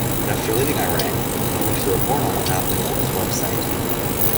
But after leaving Iran, he published a report on what happened on his website.